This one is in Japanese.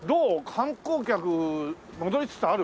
観光客戻りつつある？